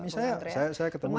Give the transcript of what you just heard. saya ketemu yang